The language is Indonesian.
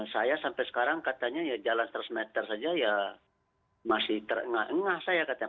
saya sampai sekarang katanya ya jalan seratus meter saja ya masih terengah engah saya katanya